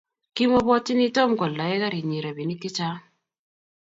Kimaibwatyini Tom koaldae garinyi rapinik che chang